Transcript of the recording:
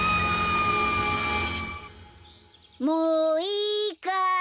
もういいかい。